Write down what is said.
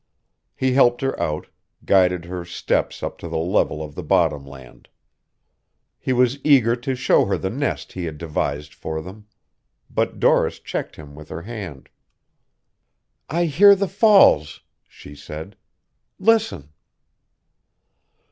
He helped her out, guided her steps up to the level of the bottomland. He was eager to show her the nest he had devised for them. But Doris checked him with her hand. "I hear the falls," she said. "Listen!"